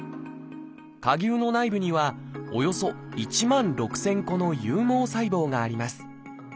蝸牛の内部にはおよそ１万６，０００個の有毛細胞があります。